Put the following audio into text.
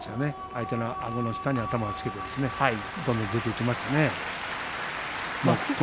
相手のあごの下に頭をつけて出ていきましたね。